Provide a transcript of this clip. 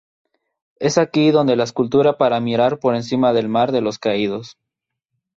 Es aquí donde la escultura para mirar por encima del mar de los caídos.